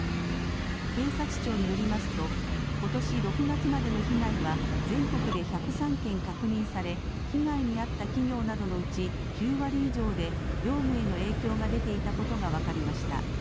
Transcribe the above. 警察庁によりますと、ことし６月までの被害は、全国で１０３件確認され、被害に遭った企業などのうち、９割以上で業務への影響が出ていたことが分かりました。